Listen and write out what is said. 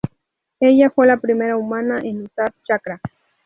Ella fue la primera humana en usar chakra.